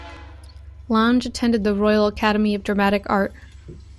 Lange attended the Royal Academy of Dramatic Art.